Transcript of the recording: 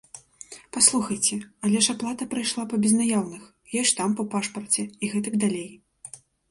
Паслухайце, але ж аплата прайшла па безнаяўных, ёсць штамп у пашпарце і гэтак далей.